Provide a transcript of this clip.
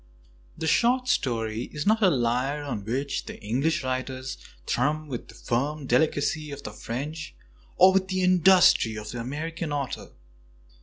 The short story is not a lyre on which English Preface writers thrum with the firm delicacy of the French, or with the industry of the American author.